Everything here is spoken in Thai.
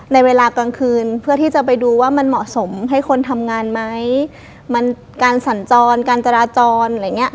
ในเวลากลางคืนเพื่อที่จะไปดูว่ามันเหมาะสมให้คนทำงานไหมมันการสัญจรการจราจรอะไรอย่างเงี้ย